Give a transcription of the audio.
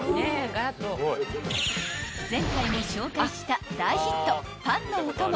［前回も紹介した大ヒット］